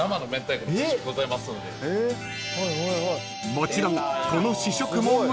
［もちろん］